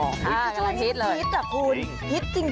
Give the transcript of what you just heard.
กำลังฮิตเลยฮิตอ่ะคุณฮิตจริง